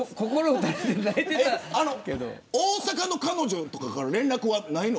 大阪の彼女とかから連絡はないの。